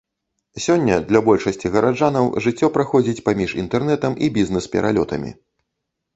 Сёння для большасці гараджанаў жыццё праходзіць паміж інтэрнэтам і бізнес-пералётамі.